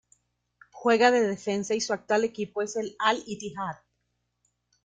Juega de defensa y su actual equipo es el Al-Ittihad.